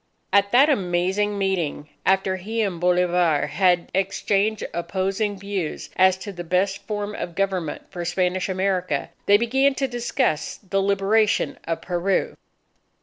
At that Amazing Meeting, after he and Bolivar had exchanged opposing views as to the best form of government for Spanish America, they began to discuss the liberation of Peru.